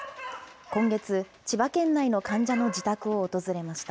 今月、千葉県内の患者の自宅を訪れました。